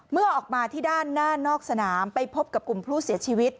เมื่อออกมาที่ด้านหน้านอกสนามไปพบกับกลุ่มผู้เสียชีวิต